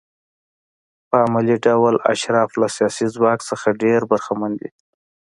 په عملي ډول اشراف له سیاسي ځواک څخه ډېر برخمن دي.